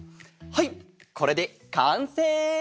はいこれでかんせい！